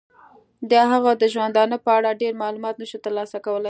د هغه د ژوندانه په اړه ډیر معلومات نشو تر لاسه کولای.